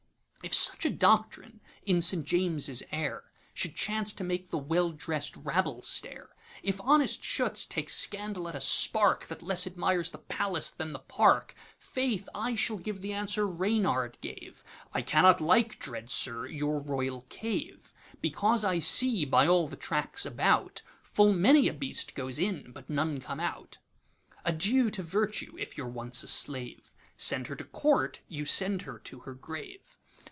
If such a doctrine, in St. James's air, Should chance to make the well drest rabble stare; If honest S[chut]z take scandal at a sparkThat less admires the Palace than the Park; Faith, I shall give the answer Reynard gave:'I cannot like, dread Sir! your royal cave; Because I see, by all the tracks about, Full many a beast goes in, but none come out.'Adieu to Virtue, if you 're once a slave:Send her to Court, you send her to her grave.